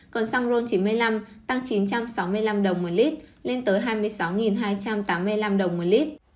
còn xăng ron chín mươi năm tăng chín trăm sáu mươi năm đồng một lít lên tới hai mươi sáu hai trăm tám mươi năm đồng một lít